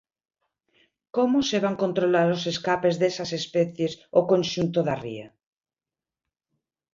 ¿Como se van controlar os escapes desas especies ao conxunto da ría?